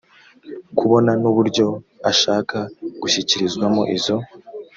kubona n uburyo ashaka gushyikirizwamo izo